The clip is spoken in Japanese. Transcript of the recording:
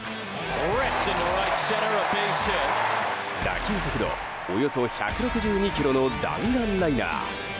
打球速度およそ１６２キロの弾丸ライナー！